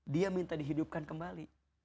dia minta dihidupkan kembali